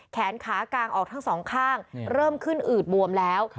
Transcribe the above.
แขนขากางออกทั้งสองข้างเริ่มขึ้นอืดบวมแล้ว